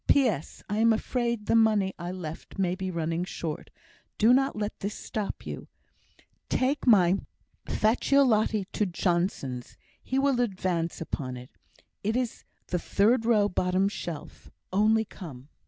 P.S. I am afraid the money I left may be running short. Do not let this stop you. Take my Facciolati to Johnson's, he will advance upon it; it is the third row, bottom shelf. Only come.